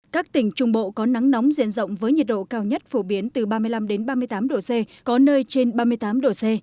các tỉnh trung bộ có nắng nóng diện rộng với nhiệt độ cao nhất phổ biến từ ba mươi năm ba mươi tám độ c có nơi trên ba mươi tám độ c